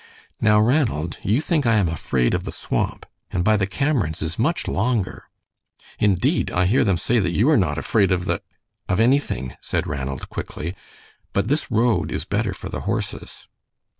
"Now, Ranald, you think I am afraid of the swamp, and by the Camerons' is much longer." "Indeed, I hear them say that you are not afraid of the of anything," said Ranald, quickly, "but this road is better for the horses."